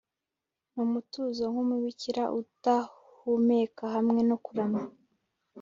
Numutuzo nkumubikira udahumeka hamwe no kuramya